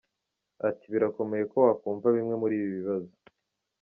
Ati” Birakomeye ko wakumva bimwe muri ibi bibazo.